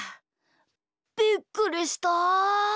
びっくりした！